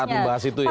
saat membahas itu ya